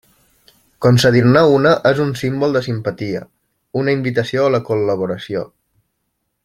Concedir-ne una és un símbol de simpatia, una invitació a la col·laboració.